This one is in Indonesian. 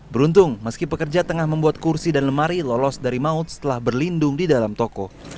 beruntung meski pekerja tengah membuat kursi dan lemari lolos dari maut setelah berlindung di dalam toko